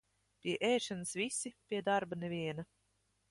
Pie ēšanas visi, pie darba neviena.